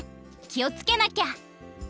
きをつけなきゃ！